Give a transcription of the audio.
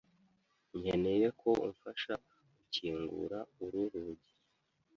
Nkeneye ko umfasha gukingura uru rugi.